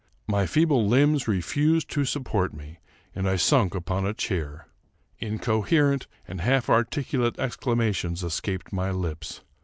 My feeble limbs refused to support me, and I sunk upon a chair. Incoherent and half articulate exclama tions escaped my lips.